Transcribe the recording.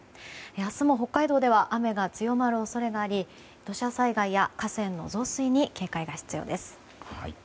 明日も北海道では雨が強まる恐れがあり土砂災害や河川の増水に警戒が必要です。